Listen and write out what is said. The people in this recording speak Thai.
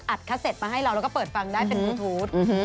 อัดคาเซ็ทมาให้เราก็เปิดฟังได้เป็นบลูทูธ